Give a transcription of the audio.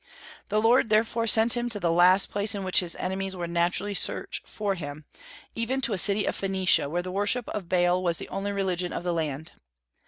The Lord therefore sent him to the last place in which his enemies would naturally search for him, even to a city of Phoenicia, where the worship of Baal was the only religion of the land.